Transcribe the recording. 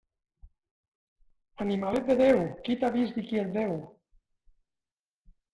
Animalet de Déu, qui t'ha vist i qui et veu.